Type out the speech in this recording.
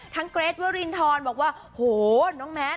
ทั้งเกรชและเราลีนทอนบอกว่าโหน้องแมท